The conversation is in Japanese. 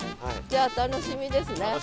じゃあ楽しみですね。